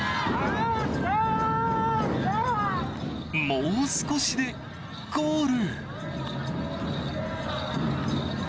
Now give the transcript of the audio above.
もう少しでゴール！